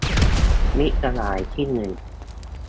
มิตรสหายที่หนึ่ง